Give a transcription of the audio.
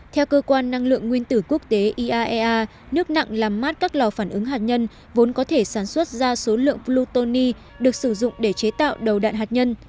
theo cơ quan năng lượng nguyên tử quốc tế iaea nước nặng làm mát các lò phản ứng hạt nhân vốn có thể sản xuất ra số lượng plutony được sử dụng để chế tạo đầu đạn hạt nhân